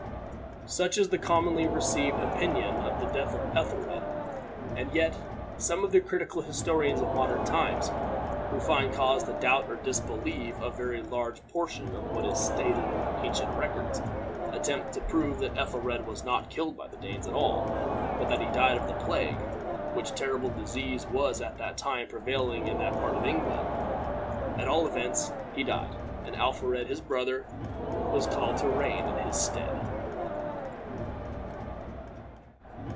" Such is the commonly received opinion of the death of Ethelred. And yet some of the critical historians of modern times, who find cause to doubt or disbelieve a very large portion of what is stated in ancient records, attempt to prove that Ethelred was not killed by the Danes at all, but that he died of the plague, which terrible disease was at that time prevailing in that part of England. At all events, he died, and Alfred, his brother, was called to reign in his stead.